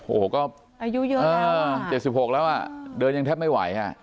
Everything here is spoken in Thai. โหก็อายุเยอะแล้วอ่าเจ็บสิบหกแล้วอ่ะเดินยังแทบไม่ไหวอ่ะ